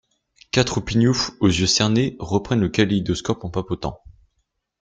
Quatre pignoufs aux yeux cernés reprennent le kaléïdoscope en papotant...